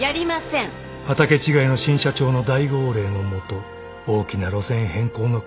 ［畑違いの新社長の大号令のもと大きな路線変更の渦中にいた］